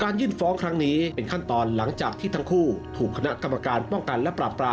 การยื่นฟ้องปุ่งคือความเป็นผ่า